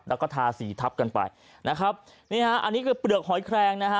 แล้วก็ทาสีทับกันไปนะครับนี่ฮะอันนี้คือเปลือกหอยแครงนะฮะ